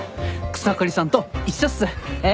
草刈さんと一緒っす。